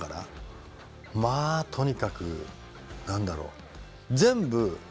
まあとにかく何だろう。